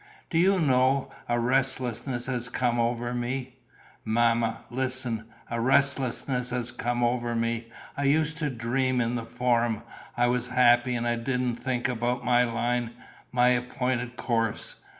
"Do you know, a restlessness has come over me. Mamma, listen, a restlessness has come over me. I used to dream in the Forum, I was happy and didn't think about my line, my appointed course.